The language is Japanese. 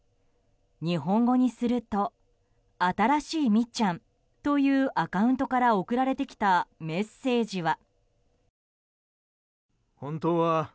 日本語にすると「新しいミッちゃん」というアカウントから送られてきたメッセージは。